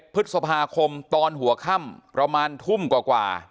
พฤษภาคมตอนหัวค่ำประมาณทุ่มกว่า